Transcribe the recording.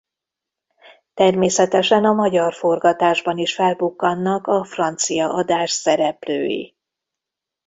Természetesen a magyar forgatásban is felbukkannak a francia adás szereplői.